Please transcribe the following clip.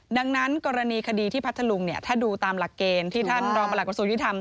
ดังนั้นกรณีคดีที่พัทธลุงเนี่ยถ้าดูตามหลักเกณฑ์ที่ท่านรองประหลักกระทรวงยุทธรรม